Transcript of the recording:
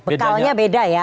bekalnya beda ya